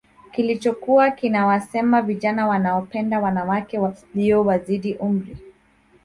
Kilichokuwa kinawasema vijana wanaopenda wanawake Walio wazidi umri